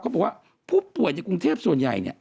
เขาบอกว่าผู้ป่วยในกรุงเทพส่วนใหญ่เนี่ย